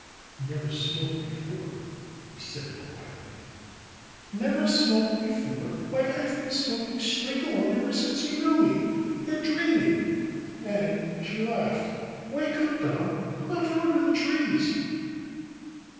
"You never smoked before," he said quietly. "Never smoked before ! Why, I have been smoking straight along ever since you knew me. You're dream ing !" And she laughed. "Wake up, Don. Come out from under the trees."